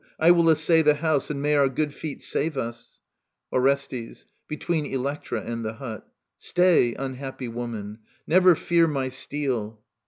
I will essay The house ; and may our good feet save us ! Orestes {between Electra and the hut). Stay, Unhappy woman ! Never fear my steel.